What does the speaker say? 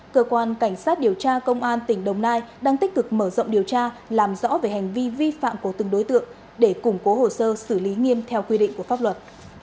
cơ quan cảnh sát điều tra công an tỉnh đồng nai đang tích cực mở rộng điều tra làm rõ về hành vi vi phạm của từng đối tượng để củng cố hồ sơ xử lý nghiêm theo quy định của pháp luật